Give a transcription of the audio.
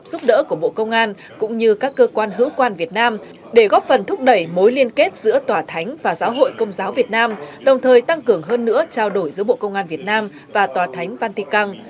tổng giám mục marek zaleski sẽ có những đóng góp giúp đỡ của bộ công an cũng như các cơ quan hữu quan việt nam để góp phần thúc đẩy mối liên kết giữa tòa thánh và giáo hội công giáo việt nam đồng thời tăng cường hơn nữa trao đổi giữa bộ công an việt nam và tòa thánh vatican